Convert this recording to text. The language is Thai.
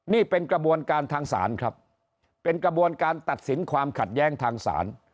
นี่เป็นกระบวนการทางศาลครับเป็นกระบวนการตัดสินความขัดแย้งทางศาล